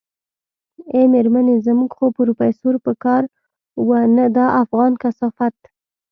ای مېرمنې زموږ خو پروفيسر په کار و نه دا افغان کثافت.